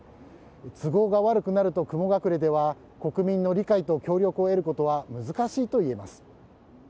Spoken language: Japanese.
都合が悪くなると雲隠れでは国民の理解と協力を得ることは難しいと言えます。